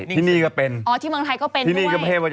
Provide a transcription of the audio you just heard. ที่เมืองไทยก็เป็นด้วย